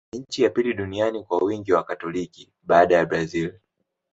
Ni nchi ya pili duniani kwa wingi wa Wakatoliki, baada ya Brazil.